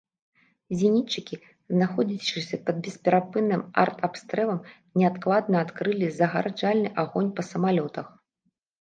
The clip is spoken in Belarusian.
Зенітчыкі, знаходзячыся пад бесперапынным артабстрэлам, неадкладна адкрылі загараджальны агонь па самалётах.